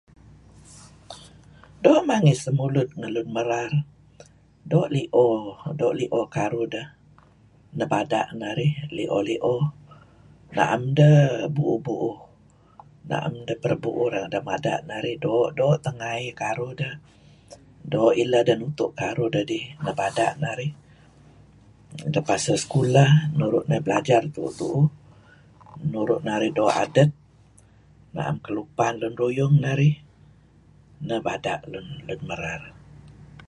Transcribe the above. Doo' mangey semulud ngen lun merar. Doo' lio, doo' lio karuh deh nebada' narih lio-lio. Naem deh buuh-buuh. Nam deh perebuuh renga' deh mada' narih. Doo-doo' ngaey karuh deh, doo' ileh deh nutu' karuh dedih nebada' narih lem pasal sekulah nuru' narih belajar tuuh-tuuh nuru' narih doo' adet, naem kelupan lun ruyung narih neh bada' lun merar.